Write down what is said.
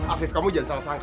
afif kamu jangan salah sangka